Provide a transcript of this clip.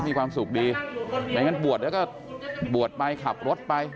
มีความสุขดีไม่งั้นบวชแล้วก็บวชไปขับรถไป